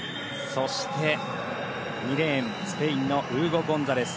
そして、２レーンスペインのウーゴ・ゴンサレス。